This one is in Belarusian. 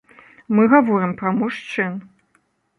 Мы гаворым пра мужчын.